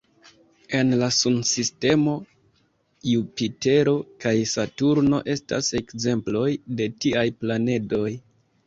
En la Sunsistemo, Jupitero kaj Saturno estas ekzemploj de tiaj planedoj.